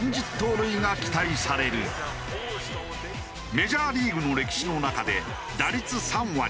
メジャーリーグの歴史の中で打率３割３０